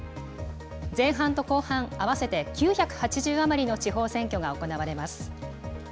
前半と後半合わせて９８０余りの地方選挙が行われます。